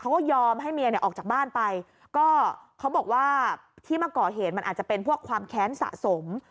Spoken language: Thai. เขาก็ยอมให้เมียเนี่ยออกจากบ้านไปก็เขาบอกว่าที่มาก่อเหตุมันอาจจะเป็นพวกความแค้นสะสม